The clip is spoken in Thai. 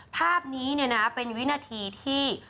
ภาพนี้เป็นวินาทีที่